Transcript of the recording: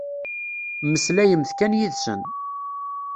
Mmeslayemt kan yid-sen.